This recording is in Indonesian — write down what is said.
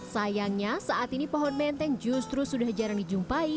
sayangnya saat ini pohon menteng justru sudah jarang dijumpai